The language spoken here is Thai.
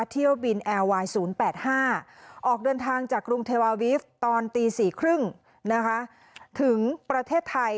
เที่ยวบินแอร์ไวน์๐๘๕ออกเดินทางจากกรุงเทวาวิฟต์ตอนตี๔๓๐ถึงประเทศไทย